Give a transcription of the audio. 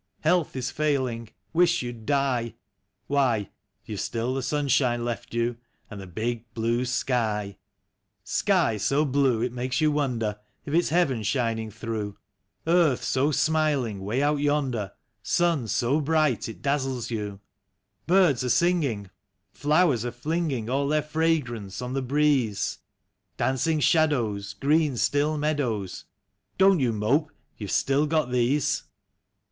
Health is failing, wish you'd die — Why, you've still the sunshine left you. And the big, blue sky. Sky so blue it makes you wonder If it's heaven shining through; Earth so smiling 'way out yonder, Sun so bright it dazzles you; Birds a singing, flowers a flinging All their fragrance on the breeze; Dancing shadows, green, still meadows — Don't you mope, you've stUl got these.